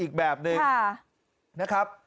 อีกแบบหนึ่งนะครับ